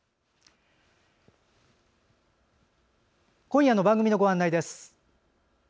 今夜の番組のご案内です。